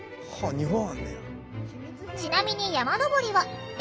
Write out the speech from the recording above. ちなみに山登りは笑